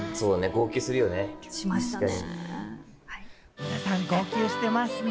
皆さん、号泣してますね。